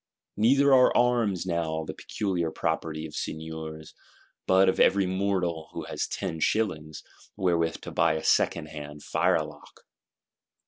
Neither are arms now the peculiar property of Seigneurs; but of every mortal who has ten shillings, wherewith to buy a secondhand firelock.